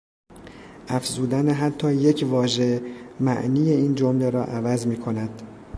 افزودن حتی یک واژه معنی این جمله را عوض میکند.